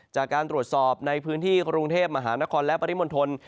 จากการตรวจสอบในพื้นที่กรุงเทพมหานครและปริมณฑล